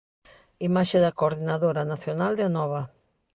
Imaxe da Coordinadora Nacional de Anova.